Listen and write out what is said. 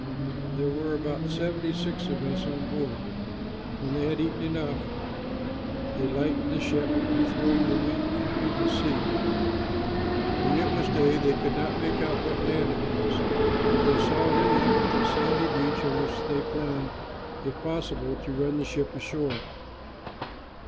There were about seventy six of us on board. When they had eaten enough, they lightened the ship by throwing the wheat into the sea. When it was day they could not make out what land it was; but they saw an inlet with a sandy beach on which they planned, if possible, to run the ship ashore.